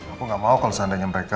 aku gak mau kalau seandainya mereka